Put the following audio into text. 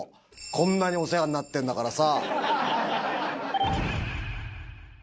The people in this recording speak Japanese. こんなにお世話になってるんだからさ。